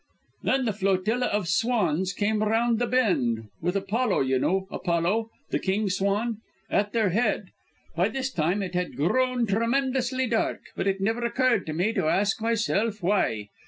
"Then the flotilla of swans came round the bend, with Apollo you know Apollo, the king swan? at their head. By this time it had grown tremendously dark, but it never occurred to me to ask myself why.